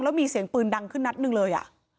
แล้วมีเสียงปืนดังขึ้นนัดหนึ่งเลย